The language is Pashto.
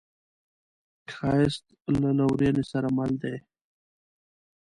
ښایست له لورینې سره مل دی